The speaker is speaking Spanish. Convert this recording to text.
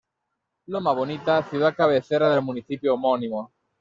Loma Bonita: Ciudad Cabecera del Municipio homónimo.